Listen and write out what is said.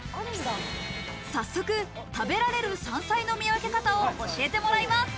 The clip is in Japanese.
早速食べられる山菜の見分け方を教えてもらいます。